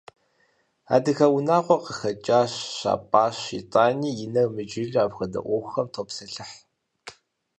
Адыгэ унагъуэ къыхэкӀащ, щапӀащ, итӀани, и нэр мыджылу апхуэдэ Ӏуэхухэм топсэлъыхь.